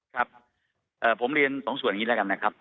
ครับผมเรียนสองส่วนอย่างนี้แล้วกันนะครับ